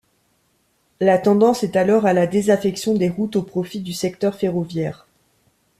La tendance est alors à la désaffection des routes au profit du secteur ferroviaire.